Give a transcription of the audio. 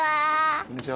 こんにちは。